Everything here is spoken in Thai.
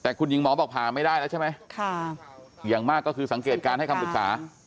แต่คุณหญิงหมอบอกผ่าไม่ได้แล้วใช่ไหมอย่างมากก็คือสังเกตการให้คำปรึกษา